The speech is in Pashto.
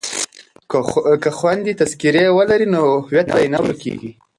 که خویندې تذکره ولري نو هویت به نه ورکيږي.